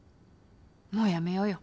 もうやめようよ。